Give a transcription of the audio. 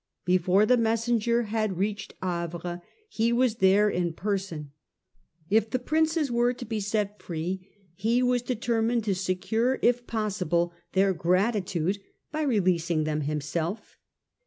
Before the messenger had reached Havre he was there in per son. If the Princes were to be set free, he was deter mined to secure if possible their gratitude by releasing them himself.